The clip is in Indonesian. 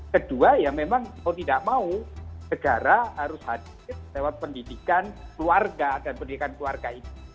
kedua ya memang mau tidak mau negara harus hadir lewat pendidikan keluarga dan pendidikan keluarga ini